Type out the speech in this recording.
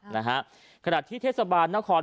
นะฮะขณะที่ทศาสตร์บาลนคร